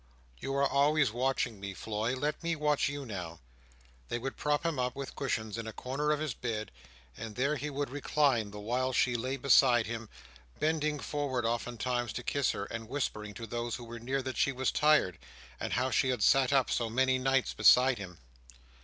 "You are always watching me, Floy, let me watch you, now!" They would prop him up with cushions in a corner of his bed, and there he would recline the while she lay beside him: bending forward oftentimes to kiss her, and whispering to those who were near that she was tired, and how she had sat up so many nights beside him.